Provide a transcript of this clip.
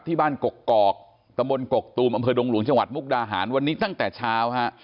ที่บ้านกกกอกตมกกตูมอดงหลวงชมกดาหารวันนี้ตั้งแต่เช้า